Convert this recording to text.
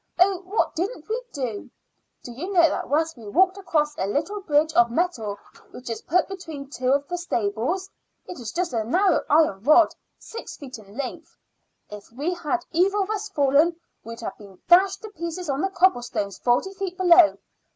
Oh, what didn't we do? Do you know that once we walked across a little bridge of metal which is put between two of the stables? It is just a narrow iron rod, six feet in length. If we had either of us fallen we'd have been dashed to pieces on the cobble stones forty feet below.